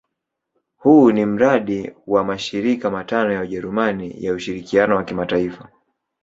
Huu ni mradi wa mashirika matano ya Ujerumani ya ushirikiano wa kimataifa.